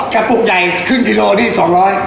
อ๋อกระปุกใหญ่ครึ่งกิโลที่สองร้อย